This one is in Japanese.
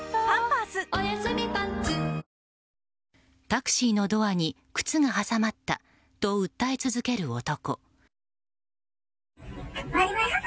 タクシーのドアに靴が挟まったと訴え続ける男。